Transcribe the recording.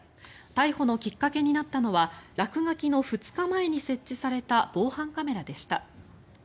逮捕のきっかけになったのは落書きの２日前に設置された防犯カメラでした。